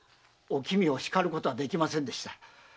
お君を叱ることはできませんでした。